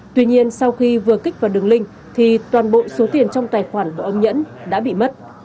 tuy nhiên sau khi vừa kích vào đường link thì toàn bộ số tiền trong tài khoản của ông nhẫn đã bị mất